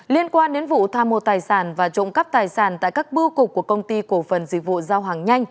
liên quan đến vụ tha mô tài sản và trộm cắp tài sản tại các bưu cục của công ty cổ phần dịch vụ giao hàng nhanh